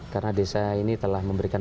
karena desa ini telah memberikan